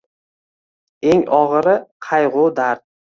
Eng og‘iri qayg‘u-dard.